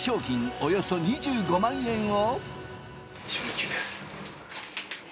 およそ２５万円を。